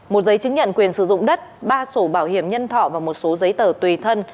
một giấy chứng nhận quyền sử dụng đất ba sổ bảo hiểm nhân thọ và một số giấy tờ tùy thân